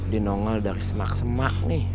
dinongal dari semak semak nih